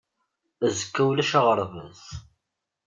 Azekka ulac aɣerbaz.